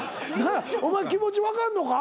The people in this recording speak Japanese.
お前気持ち分かんのか？